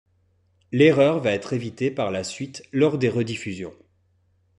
L'erreur va être évitée par la suite lors des rediffusions.